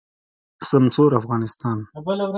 سمسور افغانستان